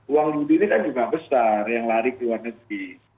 uang yudi ini kan juga besar yang lari ke luar negeri